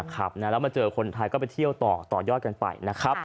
ครับแล้วมาเจอคนไทยก็ไปเที่ยวต่อต่อยอดกันไปนะครับ